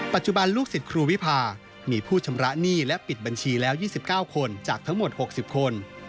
ปัจจุบันลูกศิษย์ครูวิพามีผู้ชำระหนี้และปิดบัญชีแล้ว๒๙คนจากทั้งหมด๖๐คน